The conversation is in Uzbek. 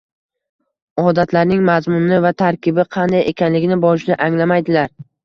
odatlarning mazmuni va tarkibi qanday ekanligini boshida anglamaydilar